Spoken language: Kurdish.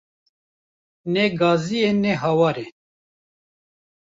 Ne gazî ye ne hawar e